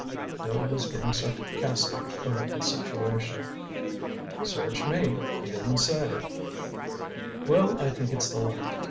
Bill was getting sarcastic over the situation. "Search me. He didn't say." "Well, I think it's the limit.